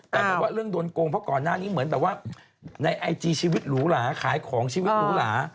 แต่แบบว่าเรื่องโดนโกงเพราะก่อนหน้านี้เหมือนแบบว่าในไอจีชีวิตหรูหลาขายของชีวิตหรูหลา